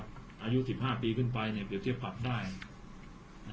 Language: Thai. ที่มีน้ำไว้เป็นเมียน้อยตลอดมา